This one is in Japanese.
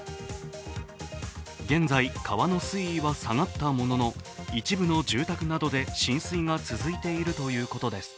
現在、川の水位は下がったものの、一部の住宅などが浸水が続いているということです。